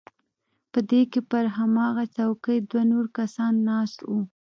په دې کښې پر هماغه چوکۍ دوه نور کسان ناست وو.